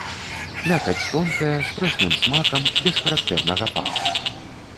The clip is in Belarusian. Мякаць тонкая, з прэсным смакам, без характэрнага паху.